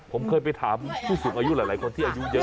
ผมเคยไปถามผู้สูงอายุหลายคนที่อายุเยอะ